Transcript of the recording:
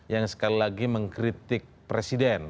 yang sekali lagi mengkritik presiden